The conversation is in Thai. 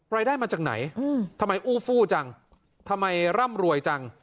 รายได้มาจากไหนทำไมอู้ฟู้จังทำไมร่ำรวยจัง